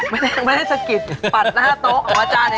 ไม่ได้สกิดปัดหน้าโต๊ะออกมาจานให้ช้าย